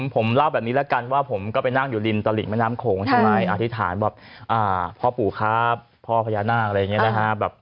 ผมเล่าแบบนี้แล้วกันว่าผมก็ไปนั่งอยู่ริมตลิงแม่น้ำโขงใช่ไหมอธิษฐานแบบพ่อปู่ครับพ่อพญานาคอะไรอย่างนี้นะฮะ